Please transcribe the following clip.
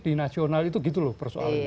di nasional itu gitu loh persoalannya